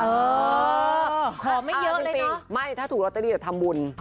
ขอไม่เอาจริงไม่ถ้าถูกลอตเตอรี่จะทำบุญ